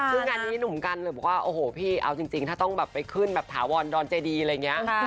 ซึ่งงานนี้หนุ่มกันเลยบอกว่าโอ้โหพี่เอาจริงถ้าต้องแบบไปขึ้นแบบถาวรดอนเจดีอะไรอย่างนี้